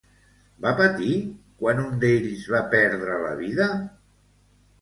Va patir, quan un d'ells va perdre la vida?